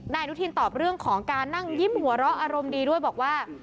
อนุทินตอบเรื่องของการนั่งยิ้มหัวเราะอารมณ์ดีด้วยบอกว่า